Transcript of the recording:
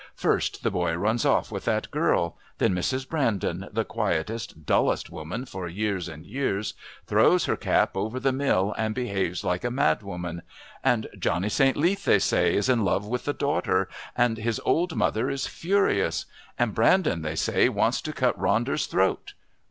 First the boy runs off with that girl; then Mrs. Brandon, the quietest, dullest woman for years and years, throws her cap over the mill and behaves like a madwoman; and Johnny St. Leath, they say, is in love with the daughter, and his old mother is furious; and Brandon, they say, wants to cut Ronder's throat.